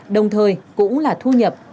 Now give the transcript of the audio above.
đồng thời cũng là thu nhập